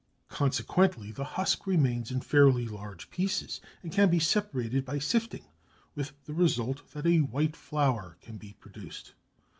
Consequently the husk remains in fairly large pieces, and can be separated by sifting, with the result that a white flour can be produced.